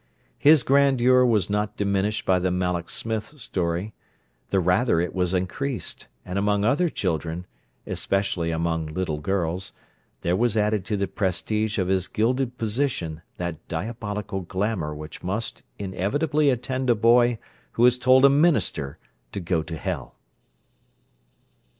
His grandeur was not diminished by the Malloch Smith story; the rather it was increased, and among other children (especially among little girls) there was added to the prestige of his gilded position that diabolical glamour which must inevitably attend a boy who has told a minister to go to hell.